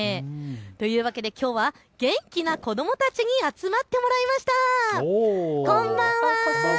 というわけできょうは元気な子どもたちに集まってもらいました。